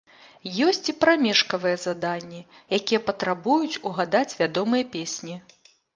Ёсць і прамежкавыя заданні, якія патрабуюць угадаць вядомыя песні.